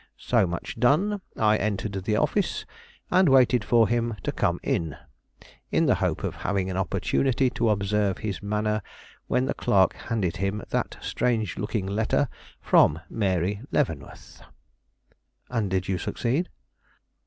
So much done, I entered the office, and waited for him to come in, in the hope of having an opportunity to observe his manner when the clerk handed him that strange looking letter from Mary Leavenworth." "And did you succeed?"